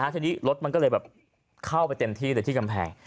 ทีนี้รถมันก็เลยแบบเข้าไปเต็มที่เลยที่กำแพง